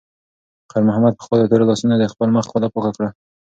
خیر محمد په خپلو تورو لاسونو د خپل مخ خوله پاکه کړه.